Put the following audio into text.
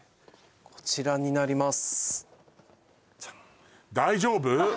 こちらになります